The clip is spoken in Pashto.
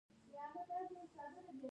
ډاکتر يې زه يم بلال عرفان نرسه مينه.